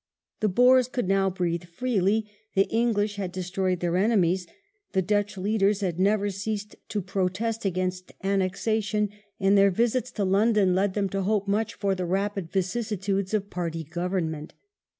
The Boers could now breathe freely ; the English had destroyed The Boer their enemies. The Dutch leadei s had never ceased to protest ^g^' gg against annexation, and their visits to London led them to hope much from the rapid vicissitudes of party government.